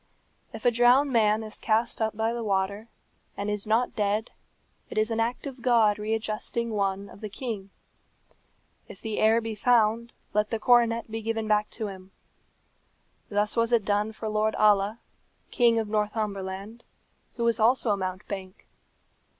"If a drowned man is cast up by the water, and is not dead, it is an act of God readjusting one of the king. If the heir be found, let the coronet be given back to him. Thus was it done for Lord Alla, King of Northumberland, who was also a mountebank.